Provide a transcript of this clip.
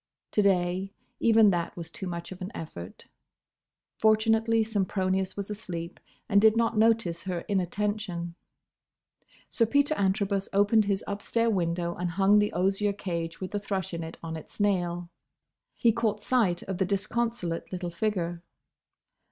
To day, even that was too much of an effort. Fortunately Sempronius was asleep and did not notice her inattention. Sir Peter Antrobus opened his upstair window and hung the osier cage with the thrush in it on its nail. He caught sight of the disconsolate little figure.